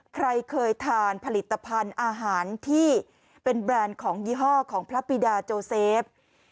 ใครเคยทานผลิตภัณฑ์อาหารที่เป็นแบรนด์ของยี่ห้อของพระบิดาโจเซฟ